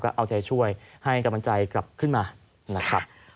ก็เอาใจช่วยให้กำลังใจกลับขึ้นมานะครับ